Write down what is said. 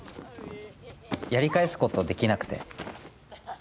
やり返すことできなくて。